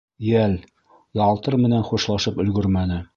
Йәл, Ялтыр менән хушлашып өлгөрмәне.